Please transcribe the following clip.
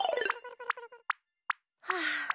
はあ。